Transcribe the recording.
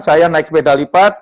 saya naik sepeda lipat